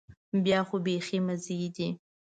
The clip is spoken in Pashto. بیا خو بيخي مزې دي.